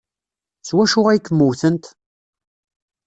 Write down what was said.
S wacu ay kem-wtent?